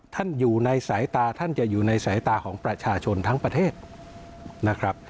ท่านอยู่ในสายตาท่านจะอยู่ในสายตาของประชาชนทั้งประเทศนะครับ